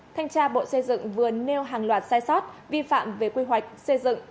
thanh tra bộ xây dựng vừa nêu hàng loạt sai sót vi phạm về quy hoạch xây dựng